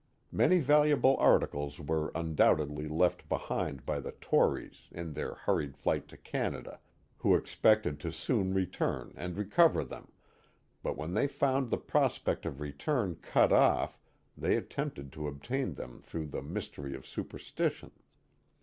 Many valuable articles were undoubtedly left behind by the Tories in their hurried flight to Canada, who expected to soon return and recover them, but when they found the prospect of return cut off they attempted to obtain them through the mystery of superstition.